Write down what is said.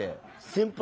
先輩。